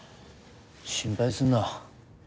心配すんな。